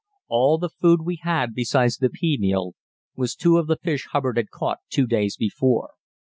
All the food we had besides the pea meal was two of the fish Hubbard had caught two days before.